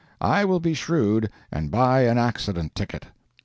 I will be shrewd, and buy an accident ticket."